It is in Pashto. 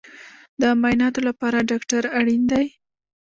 د معایناتو لپاره ډاکټر اړین دی